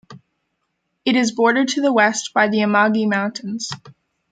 It is bordered to the west by the Amagi Mountains.